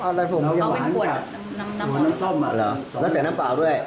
มีแค่๒อย่างแหละช้มรูปใหญ่ก็นำเยอะ